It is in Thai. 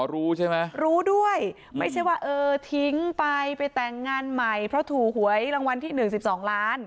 รู้ใช่ไหมรู้ด้วยไม่ใช่ว่าเออทิ้งไปไปแต่งงานใหม่เพราะถูกหวยรางวัลที่๑๒ล้าน